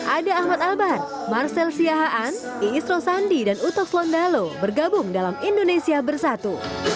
ada ahmad albar marcel siahaan iisro sandi dan utov londalo bergabung dalam indonesia bersatu